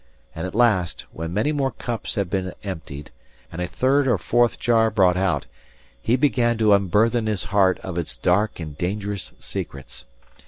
And at last, when many more cups had been emptied, and a third or fourth jar brought out, he began to unburthen his heart of its dark and dangerous secrets.